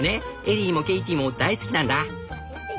エリーもケイティも大好きなんだ」。